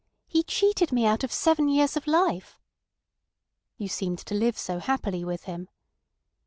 He cheated me out of seven years of life." "You seemed to live so happily with him."